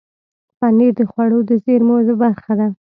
پنېر د خوړو د زېرمو برخه ده.